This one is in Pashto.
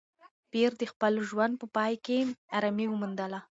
پییر د خپل ژوند په پای کې ارامي وموندله.